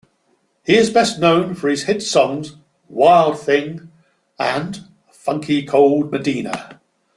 He is best known for his hit songs "Wild Thing" and "Funky Cold Medina".